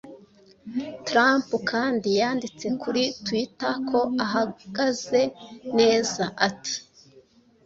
Trump kandi yanditse kuri Twitter ko ahagaze neza, ati: "